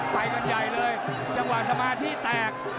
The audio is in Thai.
ไปกันใหญ่เลยจังหวะสมาธิแตก